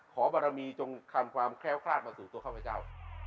ขอบรรมีจงความแค้วคราศมาสู่ตัวข้าวพระเจ้า